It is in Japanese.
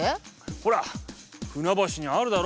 ほら船橋にあるだろ？